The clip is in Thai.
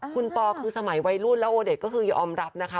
คุณปอคือสมัยวัยรุ่นแล้วโอเดชก็คือยอมรับนะคะ